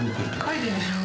書いてあるでしょう。